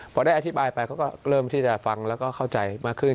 พอได้อธิบายไปเขาก็เริ่มที่จะฟังแล้วก็เข้าใจมากขึ้น